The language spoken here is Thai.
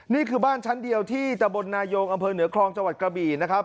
นี่คือบ้านชั้นเดียวที่ตะบลนายงอำเภอเหนือคลองจังหวัดกระบี่นะครับ